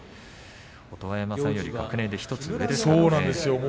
音羽山さんより学年が１つ上ですね。